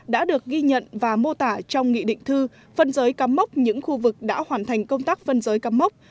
đã được ghi nhận và mô tả trong nghị định thư phân giới cắm mốc những khu vực đã hoàn thành công tác phân giới cắm mốc